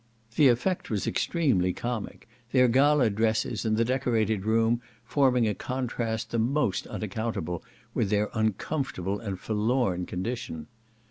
The effect was extremely comic; their gala dresses and the decorated room forming a contrast the most unaccountable with their uncomfortable and forlorn condition.